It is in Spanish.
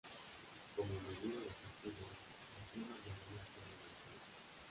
Como medida de castigo, Napier ordenó la quema de la ciudad.